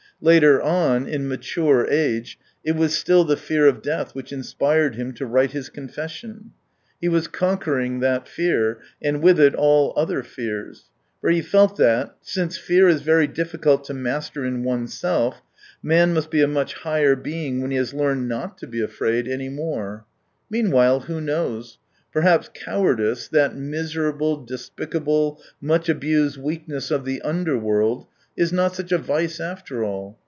Later on, in mature age, it was still the fear of death which inspired him to write his confession. He was conquering that fear, and with it all other fears. For he felt that, since fear is very difficult to master in oneself, man must be a much higher being when he has learned not to be afraid 44 any more. Meanwhile, who knows ? Per haps " cowardice," that miserable, despic able, much abused weakness of the under world, is not such a vice after all.